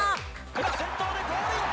今先頭でゴールイン！